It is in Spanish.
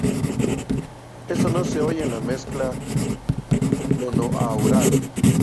Esto no se oye en la mezcla monoaural.